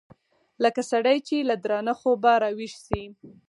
لکه سړى چې له درانه خوبه راويښ سي.